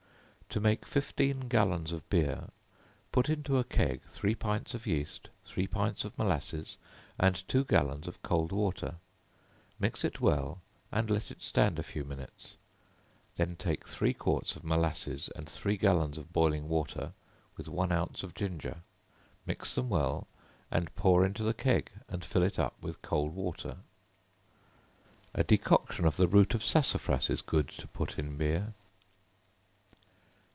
To make fifteen gallons of beer, put into a keg three pints of yeast, three pints of molasses, and two gallons of cold water; mix it well, and let it stand a few minutes; then take three quarts of molasses, and three gallons of boiling water, with one ounce of ginger; mix them well, and pour into the keg, and fill it up with cold water. A decoction of the root of sassafras is good to put in beer.